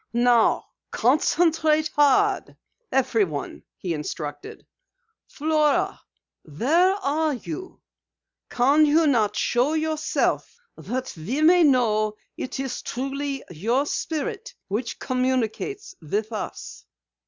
"Now concentrate hard everyone," he instructed. "Flora, where are you? Can you not show yourself that we may know it is truly your spirit which communicates with us?"